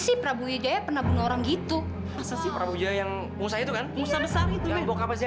sampai jumpa di video selanjutnya